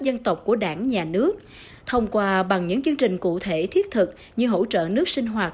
dân tộc của đảng nhà nước thông qua bằng những chương trình cụ thể thiết thực như hỗ trợ nước sinh hoạt